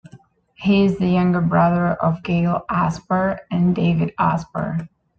He is the younger brother of Gail Asper and David Asper.